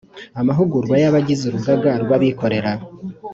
Amahugurwa y abagize urugaga rw abikorera